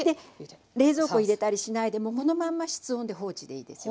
冷蔵庫入れたりしないでもうこのまんま室温で放置でいいですよ。